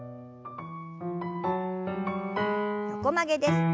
横曲げです。